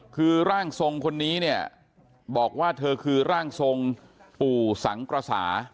คือร่างทรงคนนี้เนี่ยบอกว่าเธอคือร่างทรงปู่สังกระสา